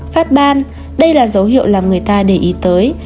phát ban đây là dấu hiệu làm người ta để ý tới